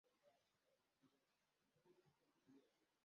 umuvuga butumwa